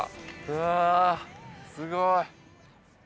うわすごい！